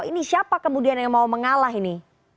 ini siapa kemudian yang mau mengalah ini